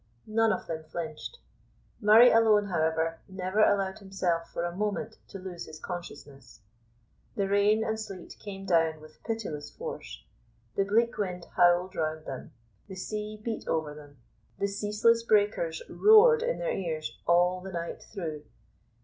None of them flinched. Murray alone, however, never allowed himself for a moment to lose his consciousness. The rain and sleet came down with pitiless force; the bleak wind howled round them, the sea beat over them, the ceaseless breakers roared in their ears all the night through.